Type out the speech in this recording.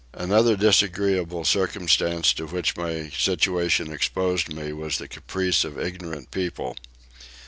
Another disagreeable circumstance to which my situation exposed me was the caprice of ignorant people.